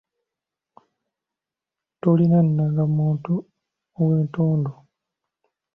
Tolinaananga omuntu ow’entondo.